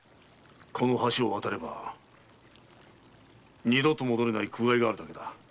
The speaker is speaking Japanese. この橋を渡れば二度と戻れない苦界があるだけだ。